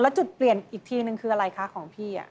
แล้วจุดเปลี่ยนอีกทีนึงคืออะไรคะของพี่